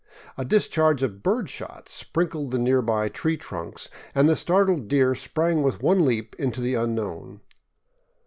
A discharge of bird shot sprinkled the nearby tree trunks, and the startled deer sprang with one leap into the unknown.